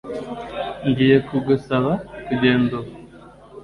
Ngiye kugusaba kugenda ubu